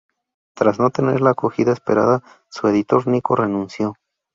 Tras no tener la acogida esperada, su editor Niko, renunció.